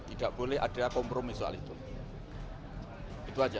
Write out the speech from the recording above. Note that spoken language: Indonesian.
tidak boleh ada kompromi soal itu aja